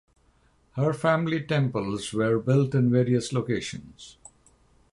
Her family temples were built in various locations.